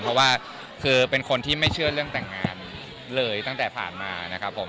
เพราะว่าคือเป็นคนที่ไม่เชื่อเรื่องแต่งงานเลยตั้งแต่ผ่านมานะครับผม